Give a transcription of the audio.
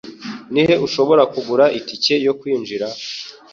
Ni he ushobora kugura itike yo kwinjira?